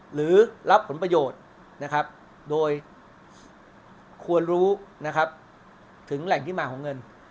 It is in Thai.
หรือรับผลประโยชน์โดยควรรู้ถึงแหล่งที่มาของเงิน